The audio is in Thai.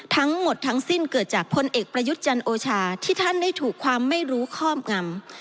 ทั้งหมดทั้งสิ้นเกิดจากพลเอกประยุทธ์จันโอชาที่ท่านได้ถูกความไม่รู้ครอบงำ